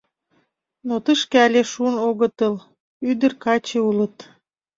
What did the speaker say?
Но тышке але шуын огытыл: ӱдыр-каче улыт.